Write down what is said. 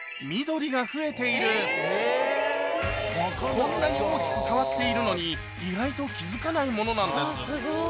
こんなに大きく変わっているのに意外と気付かないものなんです